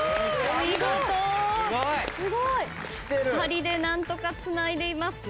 ２人で何とかつないでいます。